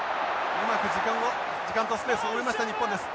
うまく時間とスペースを埋めました日本です。